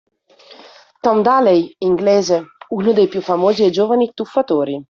Tom Daley – Inglese: Uno dei più famosi e giovani tuffatori.